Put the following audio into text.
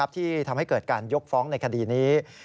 ที่ทำให้เกิดการยกฟ้องในคดีนี้